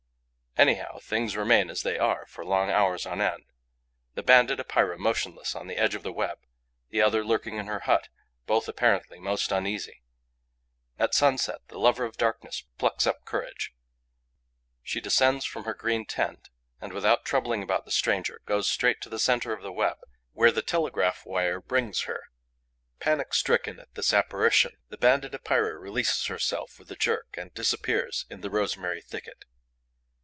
Anyhow, things remain as they are for long hours on end: the Banded Epeira motionless on the edge of the web; the other lurking in her hut; both apparently most uneasy. At sunset, the lover of darkness plucks up courage. She descends from her green tent and, without troubling about the stranger, goes straight to the centre of the web, where the telegraph wire brings her. Panic stricken at this apparition, the Banded Epeira releases herself with a jerk and disappears in the rosemary thicket.